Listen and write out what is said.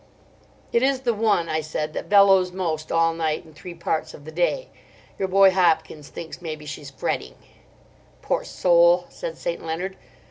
"It is the one," I said, "that bellows most all night and three parts of the day. Your boy Hopkins thinks maybe she's fretting." "Poor soul!" said St. Leonard.